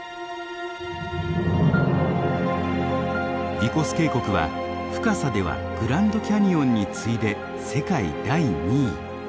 ヴィコス渓谷は深さではグランドキャニオンに次いで世界第２位。